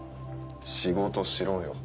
仕事しろよ。